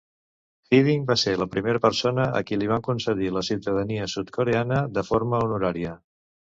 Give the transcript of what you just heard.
Hiddink va ser la primera persona a qui li van concedir la ciutadania Sud-Coreana de forma honorària.